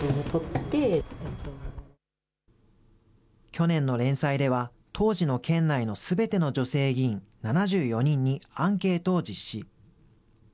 去年の連載では、当時の県内のすべての女性議員７４人にアンケートを実施。